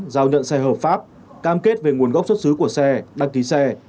giao nhận xe hợp pháp cam kết về nguồn gốc xuất xứ của xe đăng ký xe